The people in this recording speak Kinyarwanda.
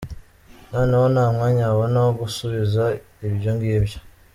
Noneho nta mwanya babona wo gusubiza ibyongibyo.